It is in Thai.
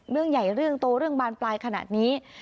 เรื่องใหญ่เรื่องโตเรื่องบานปลายขนาดนี้